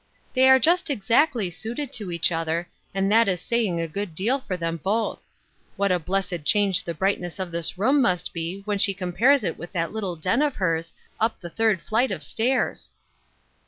" They are just exactly suited to each other, and that is saying a good deal for them both. What a blessed change the brightness of this room mast be when she compares it with that little den of hers, up the third flight of stairs